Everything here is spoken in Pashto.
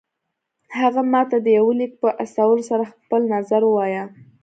هغه ماته د يوه ليک په استولو سره خپل نظر ووايه.